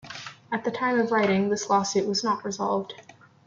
At the time of writing, this lawsuit was not resolved.